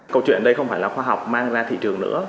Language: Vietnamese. câu chuyện ở đây không phải là khoa học mang ra thị trường nữa